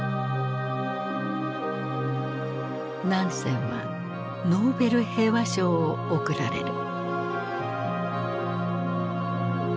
ナンセンはノーベル平和賞を贈られる。